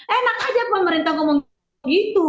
enak aja pemerintah ngomong begitu